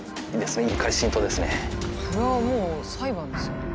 そりゃもう裁判ですよ。